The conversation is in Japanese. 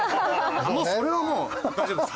もうそれはもう大丈夫です。